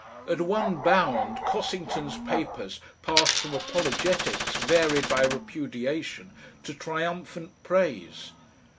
At one bound Cossington's papers passed from apologetics varied by repudiation to triumphant praise.